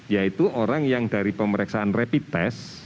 yaitu orang yang dari pemeriksaan rapid test